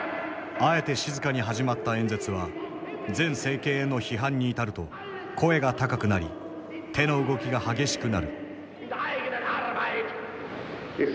あえて静かに始まった演説は前政権への批判に至ると声が高くなり手の動きが激しくなる。